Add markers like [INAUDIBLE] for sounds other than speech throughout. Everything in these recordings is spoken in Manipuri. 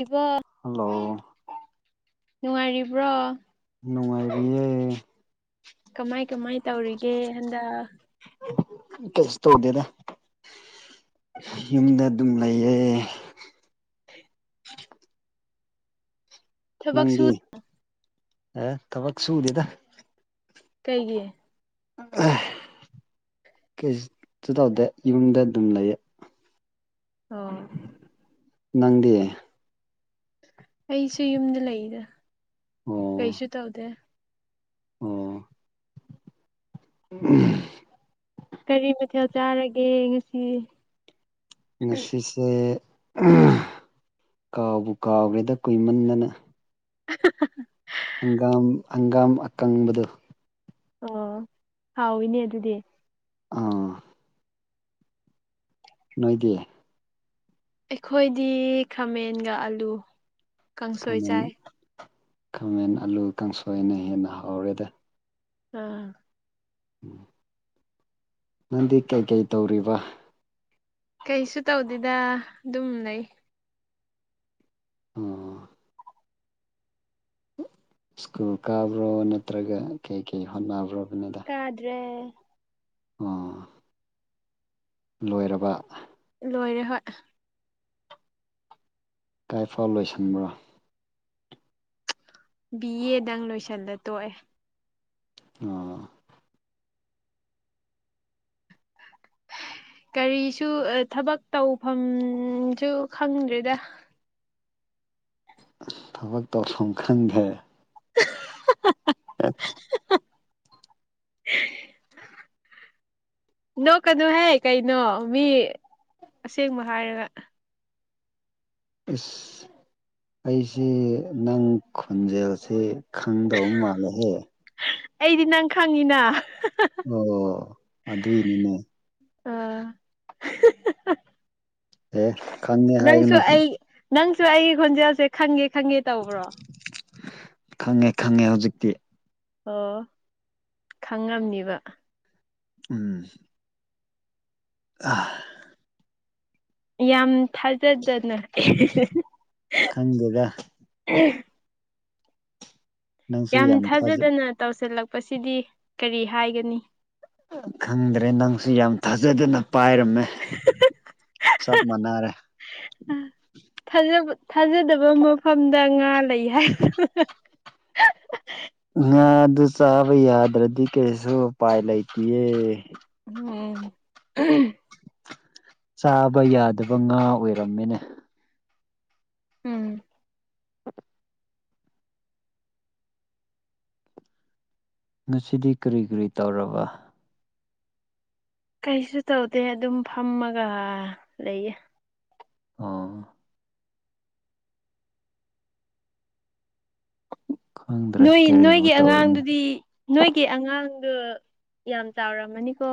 ꯏꯕꯣ ꯍꯜꯂꯣ ꯅꯨꯡꯉꯥꯏꯔꯤꯕ꯭ꯔꯣ ꯅꯨꯡꯉꯥꯏꯔꯤꯌꯦ ꯦ ꯍꯗ ꯀꯩꯁ ꯇꯧꯗꯦꯗ ꯌꯨꯝꯗ ꯑꯗꯨꯝ ꯂꯩꯌꯦ ꯊꯕꯛ ꯅꯗꯤ ꯁꯨ ꯑꯦ ꯊꯕꯛ ꯁꯨꯗꯦꯗ ꯀꯩꯒꯤ ꯀꯩꯁꯨ ꯇꯧꯗꯦ ꯌꯨꯝꯗ ꯑꯗꯨꯝ ꯂꯩꯌꯦ ꯑꯣ ꯅꯪꯗꯤ ꯑꯩꯁꯨ ꯌꯨꯝꯗ ꯂꯩꯗ ꯑꯣ ꯀꯩꯁꯨ ꯇꯧꯗꯦ ꯑꯣ ꯀꯔꯤ ꯃꯊꯦꯜ ꯆꯥꯔꯒꯦ ꯉꯁꯤ ꯉꯁꯤꯁꯦ ꯀꯥꯎꯕꯨ ꯀꯥꯎꯒ꯭ꯔꯦꯗ ꯀꯨꯏꯃꯟꯗꯅ [INAUDIBLE] ꯍꯪꯒꯥꯝ ꯍꯪꯒꯥꯝ ꯑꯀꯪꯕꯗꯨ ꯑꯣ ꯍꯥꯎꯏꯅꯦ ꯑꯗꯨꯗꯤ ꯑꯥ ꯅꯣꯏꯗꯤ ꯑꯩꯈꯣꯏꯗꯤ ꯈꯥꯃꯦꯟꯒ ꯑꯂꯨ ꯀꯥꯡꯁꯣꯏ ꯈꯥꯃꯦꯟ ꯆꯥꯏ ꯈꯥꯃꯦꯟ ꯑꯂꯨ ꯀꯥꯡꯁꯣꯏꯅ ꯍꯦꯟꯅ ꯍꯥꯎꯔꯦꯗ ꯑꯥ ꯎꯝ ꯅꯪꯗꯤ ꯀꯩꯀꯩ ꯇꯧꯔꯤꯕ ꯀꯩꯁꯨ ꯇꯧꯗꯦꯗ ꯑꯗꯨꯝ ꯂꯩ ꯑꯣ ꯁ꯭ꯀꯨꯜ ꯀꯥꯕ꯭ꯔꯣ ꯅꯠꯇ꯭ꯔꯒ ꯀꯩꯀꯩ ꯍꯣꯠꯅꯕ꯭ꯔꯣ ꯀꯗ꯭ꯔꯦ ꯑꯣ ꯂꯣꯏꯔꯕ ꯂꯣꯏꯔꯦ ꯍꯣꯏ ꯀꯥꯏꯐꯥꯎ ꯂꯣꯏꯁꯟꯕ꯭ꯔꯥ ꯕꯤ ꯑꯦꯗꯪ ꯂꯣꯏꯁꯜꯂ ꯇꯣꯛꯑꯦ ꯑꯥ [INAUDIBLE] ꯀꯔꯤꯁꯨ ꯊꯕꯛ ꯇꯧꯐꯝꯁꯨ ꯈꯪꯗ꯭ꯔꯦꯗ ꯊꯕꯛ ꯇꯧꯐꯝ ꯈꯪꯈ꯭ꯔꯦ [INAUDIBLE] ꯑ [INAUDIBLE] ꯅꯣꯛꯀꯅꯨꯍꯦ ꯀꯩꯅꯣ ꯃꯤ ꯑꯁꯦꯡꯕ ꯍꯥꯏꯔꯒ ꯏꯁꯁ ꯑꯩꯁꯦ ꯅꯪ ꯈꯨꯟꯖꯁꯦ ꯈꯪꯗꯧ ꯃꯥꯜꯂꯦꯍꯦ ꯑꯩꯗꯤ ꯅꯪ ꯈꯪꯉꯤꯅ ꯑꯣ ꯑꯗ ꯏꯅꯤꯅꯦ [INAUDIBLE] ꯑꯦꯦ ꯈꯪꯉꯦ ꯅꯪꯁꯨ ꯍꯥꯏꯒꯅ ꯑꯩ ꯅꯪꯁꯨ ꯑꯩꯒꯤ ꯈꯣꯟꯖꯦꯜꯁꯦ ꯈꯪꯒꯦ ꯈꯪꯒꯦ ꯇꯧꯕ꯭ꯔꯣ ꯈꯪꯉꯦ ꯈꯪꯉꯦ ꯍꯧꯖꯤꯛꯇꯤ ꯑꯣ ꯈꯪꯉꯝꯅꯤꯕ ꯎꯝ ꯑ ꯌꯥꯝ ꯊꯥꯖꯗꯅ ꯈꯪꯕꯒ ꯅꯪꯁꯨ ꯌꯥꯝ ꯊꯥꯖ ꯊꯥꯖꯗꯅ ꯇꯧꯁꯤꯜꯂꯛꯄꯁꯤꯗꯤ ꯀꯔꯤ ꯍꯥꯏꯒꯅꯤ ꯈꯪꯗ꯭ꯔꯦ ꯅꯪꯁꯨ ꯌꯥꯝ ꯊꯥꯖꯗꯅ ꯄꯥꯏꯔꯃꯦ ꯆꯕ ꯃꯅꯥꯔꯦ ꯊꯥꯖꯗꯕ ꯃꯐꯝꯗ ꯉꯥ ꯂꯩ ꯍꯥꯏ ꯉꯥ ꯑꯗꯨ ꯆꯥꯕ ꯌꯥꯗ꯭ꯔꯗꯤ ꯀꯔꯤꯁꯨ ꯎꯄꯥꯏ ꯂꯩꯇꯦꯦ ꯑꯣꯝ ꯆꯥꯕ ꯌꯥꯗꯕ ꯉꯥ ꯑꯣꯏꯔꯝꯃꯤꯅꯦ ꯎꯝ ꯉꯁꯤꯗꯤ ꯀꯔꯤ ꯀꯔꯤ ꯇꯧꯔꯕ ꯀꯩꯁꯨ ꯇꯧꯗꯦ ꯑꯗꯨꯝ ꯐꯝꯃꯒ ꯂꯩꯌꯦ ꯑꯥ ꯈꯪꯗ꯭ꯔꯦ ꯅꯣꯏ ꯀꯔꯤꯕꯨ ꯅꯣꯏꯒꯤ ꯇꯧꯔꯅꯤ ꯑꯉꯥꯡꯗꯨꯗꯤ ꯅꯣꯏꯒꯤ ꯑꯉꯥꯡ ꯑꯗꯨ ꯌꯥꯝ ꯆꯥꯎꯔꯝꯃꯅꯤꯀꯣ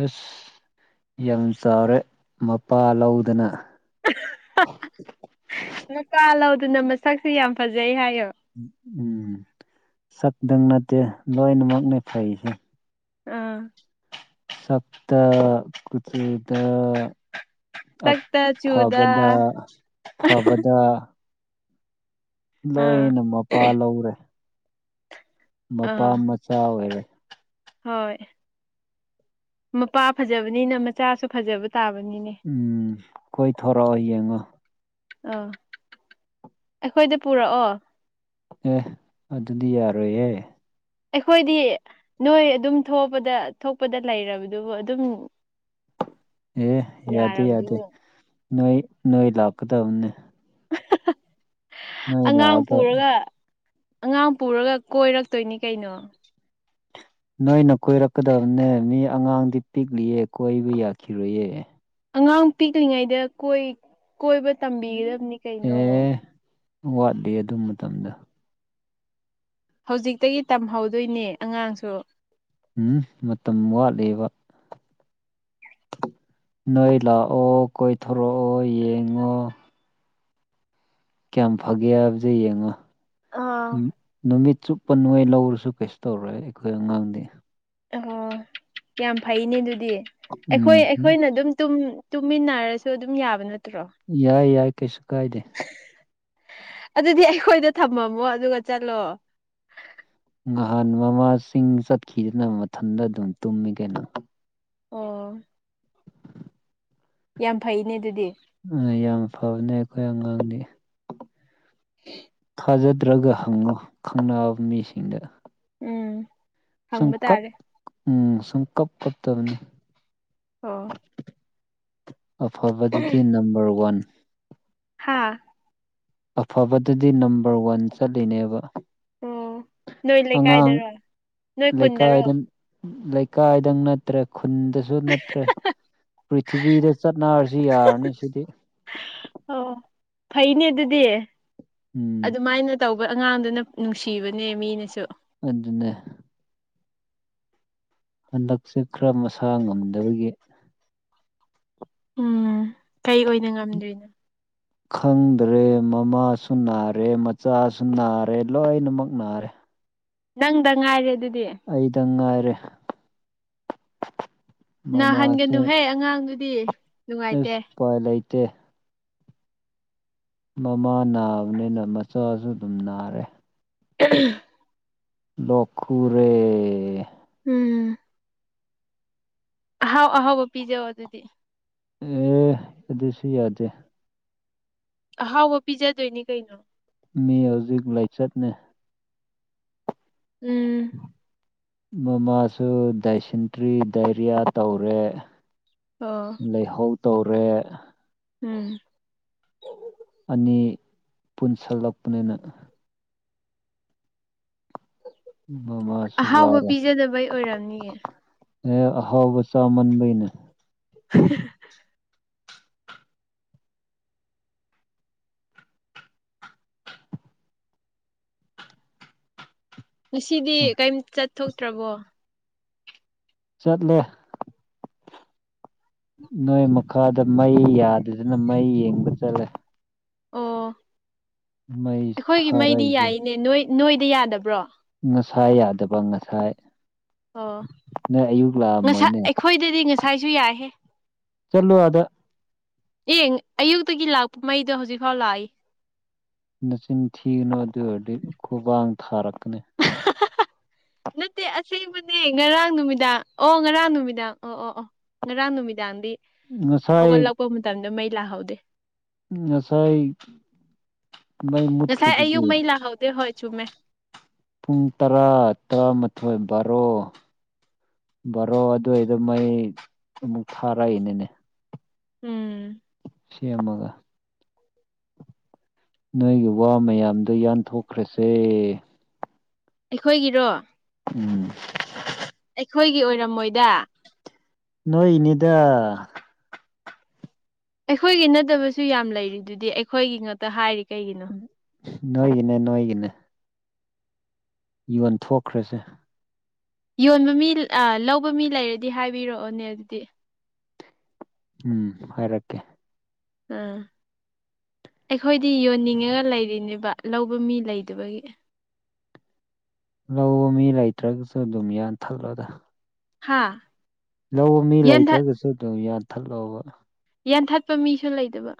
ꯑꯁ ꯌꯥꯝ ꯆꯥꯎꯔꯦ ꯃꯄꯥ ꯂꯧꯗꯅ ꯃꯀꯥ ꯂꯧꯗꯨꯅ ꯃꯁꯛꯁꯨ ꯌꯥꯝ ꯐꯖꯩ ꯍꯥꯏꯌꯣ ꯎꯝ ꯁꯛꯛꯇꯪ ꯅꯠꯇꯦ ꯂꯣꯏꯅꯃꯛꯅꯦ ꯐꯩꯁꯦ ꯑꯥ ꯁꯞꯇ ꯄꯨꯊꯗ ꯁꯛꯇ ꯆꯨꯗ ꯑꯐꯕꯗ ꯐꯕꯗ ꯑꯥ ꯂꯣꯏꯅ ꯃꯄꯥ ꯂꯧꯔꯦ ꯃꯄꯥ ꯑꯥ ꯃꯆꯥ ꯑꯣꯏꯔꯦ ꯍꯣꯏ ꯃꯄꯥ ꯐꯖꯕꯅꯤꯅ ꯃꯆꯥꯁꯨ ꯐꯖꯕ ꯇꯥꯕꯅꯤꯅꯦ ꯎꯝ ꯀꯣꯏ ꯊꯣꯔꯥ ꯑꯣꯏꯌꯦꯉ ꯑꯥ ꯑꯩꯈꯣꯏꯗ ꯄꯨꯔꯛꯑꯣ ꯑꯦ ꯑꯗꯨꯗꯤ ꯌꯥꯔꯣꯏꯍꯦ ꯑꯩꯈꯣꯏꯗꯤ ꯅꯣꯏ ꯑꯗꯨꯝ ꯊꯣꯛꯄꯗ ꯊꯣꯛꯄꯗ ꯂꯩꯔꯕꯗꯨꯕꯨ ꯑꯗꯨꯝ [INAUDIBLE] ꯑꯦ ꯌꯥꯗ ꯌꯥꯗ ꯌꯥꯔꯕꯗꯨꯕꯨ ꯅꯣꯏ ꯅꯣꯡꯏ ꯂꯥꯛꯀꯗ ꯎꯦ ꯑꯉꯥꯡ ꯂꯥꯛꯑꯒ ꯄꯨꯔꯒ ꯑꯉꯥꯡ ꯄꯨꯔꯒ ꯀꯣꯏꯔꯛꯇꯣꯏꯅꯤ ꯀꯩꯅꯣ ꯅꯣꯏꯅ ꯀꯣꯏꯔꯛꯀꯗꯕꯅꯦ ꯃꯤ ꯑꯉꯥꯡꯗꯤ ꯄꯤꯛꯂꯤꯑ ꯀꯣꯏꯕ ꯌꯥꯈꯤꯔꯣꯏꯌꯦ ꯑꯉꯥꯡ ꯄꯤꯛꯂꯤꯉꯩꯗ ꯀꯣꯏꯕ ꯎꯝ ꯇꯝꯕꯤꯒꯗꯕꯅꯤ ꯀꯩꯅꯣ ꯑꯦ ꯋꯥꯠꯂꯤ ꯑꯗꯨ ꯃꯇꯝꯗ ꯍꯧꯖꯤꯛꯇꯒꯤ ꯇꯝꯍꯧꯗꯣꯏꯅꯦ ꯑꯉꯥꯡꯁꯨ ꯎꯝ ꯃꯇꯝ ꯋꯥꯠꯂꯦꯕ ꯅꯣꯏ ꯂꯥꯛꯑꯣ ꯀꯣꯏꯊꯣꯔꯛꯑꯣ ꯌꯦꯡꯉꯣ ꯀꯌꯥꯝ ꯐꯒꯦ ꯍꯥꯏꯕꯗ ꯌꯦꯡꯉꯣ ꯑꯥ ꯅꯨꯃꯤꯠ ꯆꯨꯞꯄ ꯅꯩ ꯂꯧꯔꯁꯨ ꯀꯩꯁꯨ ꯇꯧꯔꯦ ꯑꯩꯈꯣꯏ ꯑꯉꯥꯡꯗꯤ ꯑꯣ ꯌꯥꯝ ꯐꯩꯅꯦ ꯑꯗꯨꯗꯤ ꯑꯩꯈꯣꯏ ꯎꯝ ꯑꯩꯈꯣꯏꯅ ꯑꯗꯨꯝ ꯇꯨꯝ ꯇꯨꯃꯤꯟꯅꯔꯁꯨ ꯑꯗꯨꯝ ꯌꯥꯕ ꯅꯠꯇꯦ ꯌꯥꯏ ꯌꯥꯏ ꯀꯩꯁꯨ ꯀꯥꯏꯗꯦ ꯑꯗꯨꯗꯤ ꯑꯩꯈꯣꯏꯗ ꯊꯝꯃꯝꯃꯣ ꯑꯗꯨꯒ ꯆꯠꯂꯣ ꯅꯍꯥꯟ ꯃꯃꯥꯁꯤꯡ ꯆꯠꯈꯤꯗꯅ ꯃꯊꯟꯗ ꯑꯗꯨꯝ ꯇꯨꯝꯃꯤ ꯀꯩꯅꯣ ꯑꯣ ꯌꯥꯝ ꯐꯩꯅꯦ ꯑꯗꯨꯗꯤ ꯌꯥꯝ ꯐꯕꯅꯦ ꯑꯩꯈꯣꯏ ꯑꯉꯥꯡꯅꯤ ꯍ ꯇꯥꯖꯗ꯭ꯔꯒ ꯍꯪꯉꯣ ꯈꯪꯕ ꯃꯤꯁꯤꯡꯗ ꯎꯝ ꯁꯨꯝ ꯍꯪꯕ ꯀꯞ ꯇꯥꯔꯦ ꯎꯝ ꯁꯨꯝ ꯀꯞ ꯀꯞꯇꯕꯅꯤ ꯑꯣ ꯑꯐꯕꯗꯨꯗꯤ ꯅꯝꯕꯔ ꯋꯥꯟ ꯍꯥꯥ ꯑꯐꯕꯗꯗꯤ ꯅꯝꯕꯔ ꯋꯥꯟ ꯆꯠꯂꯤꯅꯦꯕ ꯑꯣ ꯅꯣꯏ ꯑꯉꯥꯡ ꯂꯩꯀꯥꯏꯗꯔꯣ ꯅꯣꯏ ꯈꯨꯟꯗꯔꯣ ꯂꯩꯀꯥꯏꯗ ꯂꯩꯀꯥꯏꯗꯪ ꯅꯠꯇ꯭ꯔꯦ ꯈꯨꯟꯗꯁꯨ ꯅꯠꯇ꯭ꯔꯦ ꯄ꯭ꯔꯤꯊꯤꯕꯤꯗ ꯆꯠꯅꯔꯁꯨ ꯌꯥꯔꯅꯤ ꯁꯤꯗꯤ ꯑꯣ ꯐꯩꯅꯦ ꯑꯗꯨꯗꯤ ꯎꯝ ꯑꯗꯨꯃꯥꯏꯅ ꯇꯧꯕ ꯑꯉꯥꯡꯗꯨꯅ ꯅꯨꯡꯁꯤꯕꯅꯦ ꯃꯤꯅꯁꯨ ꯑꯗꯨ ꯑꯗꯨꯟꯅꯦ ꯍꯟꯗꯛꯁꯦ ꯈꯔ ꯃꯁꯥ ꯉꯝꯗꯕꯒꯤ ꯎꯝ ꯀꯩ ꯑꯣꯏꯅ ꯉꯝꯗ꯭ꯔꯤꯅꯣ ꯈꯪꯗ꯭ꯔꯦ ꯃꯃꯥꯁꯨ ꯅꯥꯔꯦ ꯃꯆꯥꯁꯨ ꯅꯥꯔꯦ ꯂꯣꯏꯅꯃꯛ ꯅꯥꯔꯦ ꯅꯪꯗ ꯉꯥꯏꯔꯦ ꯑꯗꯨꯗꯤ ꯑꯩꯗ ꯉꯥꯏꯔꯦ ꯅꯥꯍꯟꯒꯅꯨꯍꯦ ꯑꯉꯥꯡꯗꯨꯗꯤ ꯅꯨꯡꯉꯥꯏꯇꯦ ꯏꯁ ꯎꯄꯥꯏ ꯂꯩꯇꯦ ꯃꯃꯥ ꯅꯥꯕꯅꯤꯅ ꯃꯆꯥꯁꯨ ꯑꯗꯨꯝ ꯅꯥꯔꯦ [UNINTELLIGIBLE] ꯂꯣꯛꯈꯦ ꯎꯝ ꯑꯍꯥꯎ ꯑꯍꯥꯎꯕ ꯄꯤꯖꯕ ꯑꯗꯨꯗꯤ ꯑꯦ ꯑꯗꯨꯗꯁꯨ ꯌꯥꯗꯦ ꯑꯍꯥꯎꯕ ꯄꯤꯖꯗꯣꯏꯅꯤ ꯀꯩꯅꯣ ꯃꯤ ꯍꯧꯖꯤꯛ ꯂꯥꯏꯆꯠꯅꯦ ꯎꯝ ꯃꯃꯥꯁꯨ ꯗꯥꯏꯁꯟꯇ꯭ꯔꯤ ꯗꯥꯏꯔꯤꯌꯥ ꯇꯧꯔꯦ ꯑꯣ ꯂꯩꯍꯧ ꯇꯧꯔꯦ ꯎꯝ ꯑꯅꯤ ꯄꯨꯟꯁꯤꯜꯂꯛꯄꯅꯤꯅ ꯑꯍꯥꯎꯕ ꯃꯃꯁꯨꯒꯔ ꯄꯤꯖꯗꯕꯩ ꯑꯣꯏꯔꯝꯅꯤꯌꯦ ꯑꯦ ꯑꯍꯥꯎꯕꯆꯥꯥꯎ ꯃꯟꯕꯩꯅ [INAUDIBLE] ꯉꯁꯤꯗꯤ ꯀꯩꯝ ꯆꯠꯊꯣꯛꯇ꯭ꯔꯕꯣ ꯆꯠꯂꯦ ꯅꯣꯏ ꯃꯈꯥꯗ ꯃꯩ ꯌꯥꯗꯗꯅ ꯃꯩ ꯌꯦꯡꯕ ꯆꯠꯂꯦ ꯑꯣ ꯃꯩ ꯑꯩꯈꯣꯏꯒꯤ ꯃꯩꯗꯤ ꯊꯥꯔꯛꯏꯁꯦ ꯌꯥꯏꯅꯦ ꯅꯣꯏ ꯅꯣꯏꯗ ꯌꯥꯗꯕ꯭ꯔꯣ ꯉꯁꯥꯏ ꯌꯥꯗꯕ ꯉꯁꯥꯏ ꯑꯣ ꯅꯣꯏ ꯑꯌꯨꯛ ꯉꯁꯥꯏ ꯂꯥꯛꯑꯝꯃꯣꯏꯅꯦ ꯑꯩꯈꯣꯏꯗꯗꯤ ꯉꯁꯥꯏꯁꯨ ꯌꯥꯏꯍꯦ ꯆꯂꯨꯗ ꯑꯦꯡ ꯑꯌꯨꯛꯇꯒꯤ ꯂꯥꯛꯄ ꯃꯩꯗꯣ ꯍꯧꯖꯤꯛꯐꯥꯎ ꯂꯥꯛꯏ ꯅꯆꯤꯟ ꯊꯤꯒꯨꯅꯨ ꯑꯗꯨ ꯑꯣꯏꯔꯗꯤ ꯈꯨꯕꯥꯡ ꯊꯥꯔꯛꯀꯅꯤ ꯑ ꯁꯤꯕꯅꯦ ꯉꯔꯥꯡ ꯅꯨꯃꯤꯗꯥꯡ ꯑꯣ ꯉꯔꯥꯡ ꯅꯨꯃꯤꯗꯥꯡ ꯑꯣ ꯑꯣ ꯑꯣ ꯉꯔꯥꯡ ꯅꯨꯃꯤꯗꯥꯡꯗꯤ ꯉꯁꯥꯏ ꯍꯧꯒꯠꯂꯛꯄ ꯃꯇꯝꯗ ꯃꯩ ꯂꯥꯛꯍꯧꯗꯦ ꯉꯁꯥꯏ ꯃꯩ ꯉꯁꯥꯏ ꯑꯌꯨꯛ ꯃꯨꯠꯈ꯭ꯔꯤꯗꯨꯗꯤ ꯃꯩ ꯂꯥꯛꯍꯧꯗꯦ ꯍꯣꯏ ꯆꯨꯝꯃꯦ ꯄꯨꯡ ꯇꯔꯥ ꯇꯔꯥꯃꯥꯊꯣꯏ ꯕꯥꯔꯣ ꯕꯥꯔꯣ ꯑꯗꯨꯏꯗꯣ ꯃꯩ ꯑꯃꯨꯛ ꯊꯥꯔꯛꯏꯅꯤꯅꯦ ꯎꯝ ꯁꯤꯃꯒ ꯅꯣꯏꯒꯤ ꯋꯥ ꯃꯌꯥꯝꯗꯣ ꯌꯥꯟꯊꯣꯛꯈ꯭ꯔꯁꯦ ꯑꯩꯈꯣꯏꯒꯤꯔꯣ ꯎꯝ ꯑꯩꯈꯣꯏꯒꯤ ꯑꯣꯏꯔꯝꯃꯣꯏꯗ ꯅꯣꯏꯅꯤꯗ ꯑꯩꯈꯣꯏꯒꯤ ꯅꯠꯇꯕꯁꯨ ꯌꯥꯝ ꯂꯩꯔꯤ ꯑꯗꯨꯗꯤ ꯑꯩꯈꯣꯏꯒꯤ ꯉꯥꯛꯛꯇ ꯍꯥꯏꯔꯤ ꯀꯩꯒꯤꯅꯣ ꯅꯏ ꯀ ꯅꯣꯡꯥꯏ ꯀꯅꯦ ꯌꯣꯟꯊꯣꯛꯈ꯭ꯔꯁꯦ ꯌꯣꯟꯕ ꯃꯤ ꯂꯧꯕ ꯃꯤ ꯂꯩꯔꯗꯤ ꯍꯥꯏꯕꯤꯔꯛꯑꯣꯅꯦ ꯑꯗꯨꯗꯤ ꯎꯝ ꯍꯥꯏꯔꯀꯦ ꯑꯥ ꯑꯩꯈꯣꯏꯗꯤ ꯌꯣꯟꯅꯤꯡꯉꯒ ꯂꯩꯔꯤꯅꯦꯕ ꯂꯧꯕ ꯃꯤ ꯂꯩꯗꯕꯒꯤ ꯂꯧꯕ ꯃꯤ ꯂꯩꯇ꯭ꯔꯒꯁꯨ ꯑꯗꯨꯝ ꯌꯥꯟꯊꯠꯂꯣꯗ ꯍꯥꯥ ꯂꯧꯕ ꯃꯤ ꯂꯩꯇ꯭ꯔꯒꯁꯨ ꯑꯗꯨꯝ ꯌꯥꯟꯊꯠꯂꯛꯕ ꯌꯥꯟꯊꯠꯄ ꯃꯤꯁꯨ ꯂꯩꯗꯕ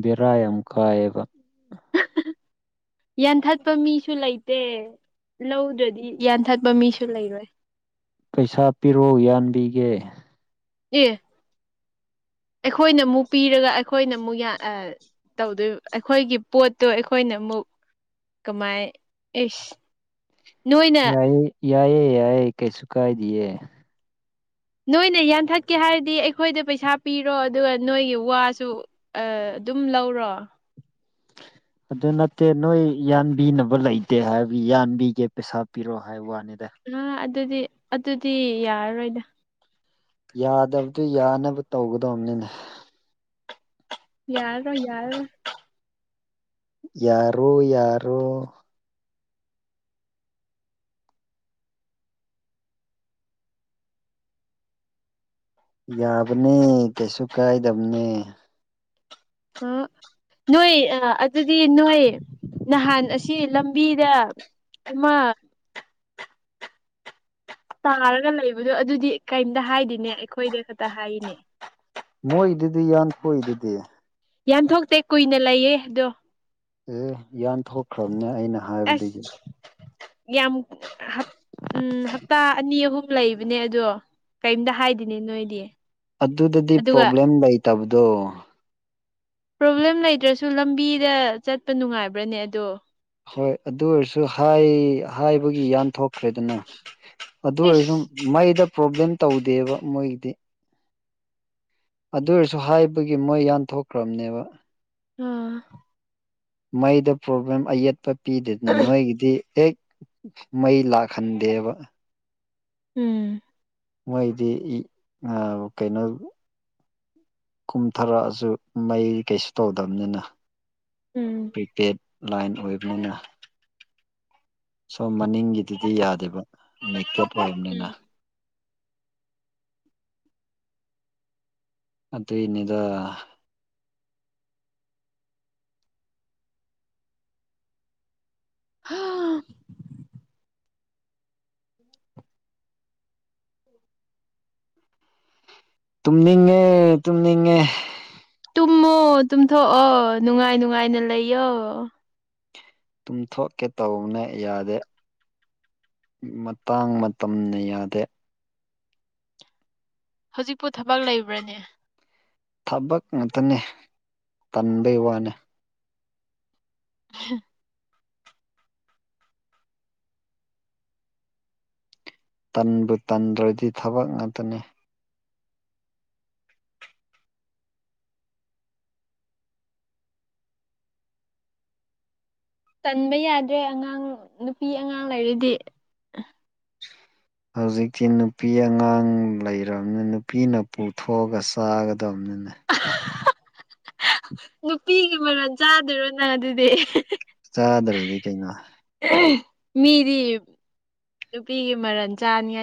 ꯕꯤꯔꯥꯌꯥꯝ ꯀꯥ ꯌꯥꯟꯊꯠꯄ ꯃꯤꯁꯨ ꯂꯩꯇꯦ ꯂꯧꯗꯨꯗꯤ ꯌꯥꯟꯊꯠꯄ ꯃꯤꯁꯨ ꯂꯩꯔꯣꯏ ꯄꯩꯁꯥ ꯄꯤꯔꯣ ꯌꯥꯟꯕꯤꯒꯦ ꯑꯦ ꯑꯩꯈꯣꯏꯅ ꯑꯃꯨꯛ ꯄꯤꯔꯒ ꯑꯩꯈꯣꯏꯅ ꯑꯃꯨꯛ ꯇꯧꯗꯣꯏ ꯑꯩꯈꯣꯏꯒꯤ ꯄꯣꯠꯇꯣ ꯑꯩꯈꯣꯏꯅ ꯑꯃꯨꯛ ꯀꯃꯥꯏ ꯏꯤꯁ ꯌꯥꯏꯌꯦ ꯌꯥꯏꯌꯦ ꯌꯥꯏꯌꯦ ꯀꯩꯁꯨ ꯀꯥꯏꯗꯌꯦ ꯅꯣꯏꯅ ꯌꯥꯟꯊꯠꯀꯦ ꯍꯥꯏꯔꯗꯤ ꯑꯩꯈꯣꯏꯗ ꯄꯩꯁꯥ ꯄꯤꯔꯣ ꯑꯗꯨꯒ ꯅꯣꯏꯒꯤ ꯋꯥꯁꯨ ꯑꯗꯨꯝ ꯂꯧꯔꯣ [UNINTELLIGIBLE] ꯑꯗꯨ ꯅꯠꯇꯦ ꯅꯣꯏ ꯌꯥꯟꯕꯤꯅꯕ ꯂꯩꯇꯦ ꯍꯥꯏꯗꯤ ꯌꯥꯟꯕꯤꯒꯦ ꯄꯩꯁꯥ ꯄꯤꯔꯣ ꯍꯥꯏ ꯋꯥꯅꯤ ꯑꯥ ꯑꯗꯨꯗꯤ ꯑꯗꯨꯗꯤ ꯌꯥꯔꯔꯣꯏꯗ ꯌꯥꯗꯕꯗꯨꯣ ꯌꯥꯅꯕ ꯇꯧꯒꯗꯕꯅꯤꯅꯦ ꯌꯥꯔꯣ ꯌꯥꯔ ꯌꯥꯔꯣ ꯌꯔꯣ ꯌꯥꯕꯅꯦ ꯀꯩꯁꯨ ꯀꯥꯏꯗꯕꯅꯦ ꯑ ꯅꯣꯏ ꯑꯗꯨꯗꯤ ꯅꯣꯏ ꯅꯍꯥꯟ ꯑꯁꯤ ꯂꯝ ꯕꯤꯗ ꯏꯃ ꯇꯥꯔꯒ ꯂꯩꯕꯗꯣ ꯑꯗꯨꯗꯤ ꯀꯔꯤꯝꯇ ꯍꯥꯏꯗꯤꯅꯦ ꯑꯩꯈꯣꯏꯗ ꯈꯛꯇ ꯍꯥꯏꯔꯤꯅꯦ ꯃꯣꯏꯗꯨꯗꯤ ꯌꯥꯟꯊꯣꯏꯗꯨꯗꯤ ꯌꯥꯟꯊꯣꯛꯇꯦ ꯀꯨꯏꯅ ꯂꯩꯌꯦ ꯑꯗꯣ ꯑꯦ ꯌꯥꯟ ꯊꯣꯛꯈ꯭ꯔꯕꯅꯦ ꯑꯩꯅ ꯍꯥꯏꯕꯗꯒꯤ ꯌꯥꯝꯞ ꯎꯝ ꯍꯞꯇꯥ ꯑꯅꯤ ꯑꯍꯨꯝ ꯂꯩꯕꯅꯦ ꯑꯗꯣ ꯀꯔꯤꯝꯇ ꯍꯥꯏꯗꯤꯅꯦ ꯅꯣꯏꯗꯤ ꯑꯗꯨꯗꯗꯤ ꯑꯗꯨꯒ ꯄ꯭ꯔꯣꯕ꯭ꯂꯦꯝ ꯂꯩꯇꯕꯗꯣ ꯄ꯭ꯔꯣꯕ꯭ꯂꯦꯝ ꯂꯩꯇ꯭ꯔꯁꯨ ꯂꯝꯕꯤꯗ ꯆꯠꯄ ꯅꯨꯡꯉꯥꯏꯕ꯭ꯔꯅꯦ ꯑꯗꯣ ꯍꯣꯏ ꯑꯗꯨ ꯑꯣꯏꯔꯁꯨ ꯍꯥꯏ ꯍꯥꯏꯕꯒꯤ ꯌꯥꯟꯊꯣꯛꯈ꯭ꯔꯦꯗꯅ ꯑꯗꯨ ꯑꯣꯏꯔꯁꯨ ꯏꯁ ꯃꯩꯗ ꯄ꯭ꯔꯣꯕ꯭ꯂꯦꯝ ꯇꯧꯗꯦꯕ ꯃꯣꯏꯒꯤꯗꯤ ꯑꯗꯨ ꯑꯣꯏꯔꯁꯨ ꯍꯥꯏꯕꯒꯤ ꯃꯣꯏ ꯌꯥꯟꯊꯣꯛꯈ꯭ꯔꯕꯅꯦꯕ ꯎꯝ ꯃꯩꯗ ꯄ꯭ꯔꯣꯕ꯭ꯂꯦꯝ ꯑꯌꯦꯠꯄ ꯄꯤꯗꯗꯅ ꯅꯣꯏꯒꯤꯗꯤ ꯍꯦꯛ ꯃꯩ ꯂꯥꯛꯍꯟꯗꯦꯕ ꯎꯝ ꯃꯣꯏꯗꯤ ꯀꯩꯅꯣ ꯀꯨꯝꯊꯔꯛꯑꯁꯨ ꯃꯩ ꯀꯩꯁꯨ ꯇꯧꯗꯕꯅꯤꯅ ꯎꯝ ꯄ꯭ꯔꯤꯄꯦꯗ ꯂꯥꯏꯟ ꯑꯣꯏꯕꯅꯤꯅ ꯁꯣ ꯃꯅꯤꯡꯒꯤꯗꯨꯗꯤ ꯌꯥꯗꯦꯕ ꯃꯦꯛꯇꯞ ꯑꯣꯏꯕꯅꯤꯅ ꯑꯗꯨ ꯏꯟꯅꯗ ꯍꯥ ꯇꯨꯝꯅꯤꯡꯉ ꯇꯨꯝꯅꯤꯡꯉ ꯇꯨꯝꯃꯣ ꯇꯨꯝꯊꯣꯛꯑꯣ ꯅꯨꯡꯉꯥꯏ ꯅꯨꯡꯉꯥꯏꯅ ꯂꯩꯌꯣ ꯇꯨꯝꯊꯣꯛꯀꯦ ꯇꯧꯕꯅꯦ ꯌꯥꯗꯦ ꯃꯇꯥꯡ ꯃꯇꯝꯝꯅ ꯌꯥꯗꯦ ꯍꯧꯖꯤꯛꯄꯨ ꯊꯕꯛ ꯂꯩꯕ꯭ꯔꯅꯦ ꯊꯕꯛ ꯉꯇꯅꯦ ꯇꯟꯕꯩ ꯋꯥꯅꯤ [UNINTELLIGIBLE] ꯇꯟꯕꯨ ꯇꯟꯗ꯭ꯔꯗꯤ ꯊꯕꯛ ꯉꯥꯛꯇꯅꯤ ꯆꯟꯕ ꯌꯥꯗ꯭ꯔꯦ ꯑꯉꯥꯡ ꯅꯨꯄꯤ ꯑꯉꯥꯡ ꯂꯩꯔꯤꯗꯤ ꯍꯧꯖꯤꯛꯇꯤ ꯅꯨꯄꯤ ꯑꯉꯥꯡ ꯂꯩꯔꯕꯔꯕꯅꯤ ꯅꯨꯄꯤꯅ ꯄꯨꯊꯣꯛꯑꯒ ꯆꯥꯒꯗꯕꯅꯤ [INAUDIBLE] ꯅꯨꯄꯤꯒꯤ ꯃꯔꯣꯟ ꯆꯥꯗꯣꯏꯔꯣꯅ ꯑꯗꯨꯗꯤ ꯆꯗꯔꯗꯤ ꯀꯩꯅꯣ ꯃꯤꯗꯤ ꯅꯨꯄꯤꯒꯤ ꯃꯔꯜ ꯆꯥꯅꯤꯉꯥꯏ